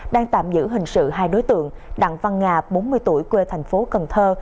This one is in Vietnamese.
đang tạm giữ hình sự hai đối tượng đặng văn nga bốn mươi tuổi quê thành phố cần thơ